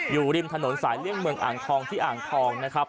อยู่ริมถนนสายเลี่ยงเมืองอ่างทองที่อ่างทองนะครับ